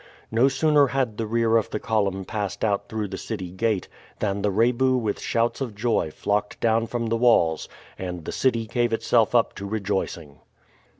No sooner had the rear of the column passed out through the city gate than the Rebu with shouts of joy flocked down from the walls, and the city gave itself up to rejoicing.